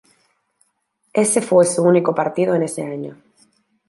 Ese fue su único partido en ese año.